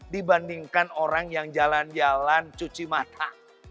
dibandingkan orang yang jalan jalan cuci mata